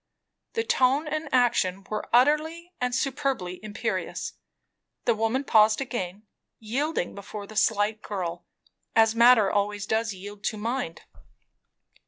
The tone and action were utterly and superbly imperious. The woman paused again, yielding before the slight girl, as matter always does yield to mind.